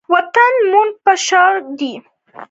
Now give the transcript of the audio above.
وطن د مور په شان دی